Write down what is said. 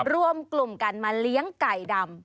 รวมกลุ่มกันมาเลี้ยงไก่ดำ